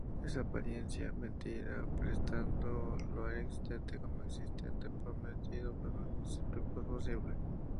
Es apariencia, mentira, presentando lo inexistente como existente, prometiendo que lo imposible es posible.